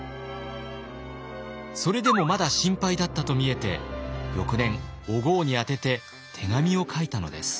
それでもまだ心配だったと見えて翌年お江に宛てて手紙を書いたのです。